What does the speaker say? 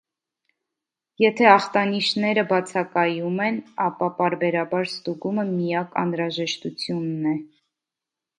Եթե ախտանիշները բացակայում են, ապա պարբերաբար ստուգումը միակ անհրաժեշտությունն է։